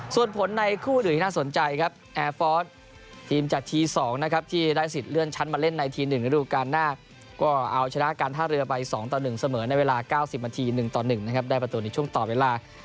ส่วนผลในคู่๑ที่น่าสนใจครับแอร์ฟอร์สทีมจากที๒นะครับที่ได้สิทธิเลื่อนชั้นมาเล่นในที๑ฤดูการหน้าก็เอาชนะการท่าเรือไป๒ต่อ๑เสมอในเวลา๙๐นาที๑ต่อ๑นะครับได้ประตูในช่วงต่อเวลา